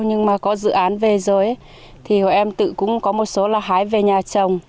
nhưng mà có dự án về rồi thì bọn em tự cũng có một số là hái về nhà trồng